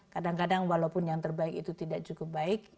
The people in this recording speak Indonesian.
kadang kadang walaupun yang terbaik itu tidak cukup baik